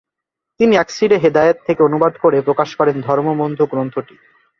তিনি 'আকসিরে হেদায়েত' থেকে অনুবাদ করে প্রকাশ করেন 'ধর্ম-বন্ধু' গ্রন্থটি।